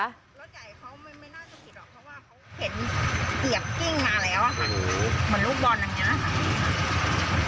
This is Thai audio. เฮ้อ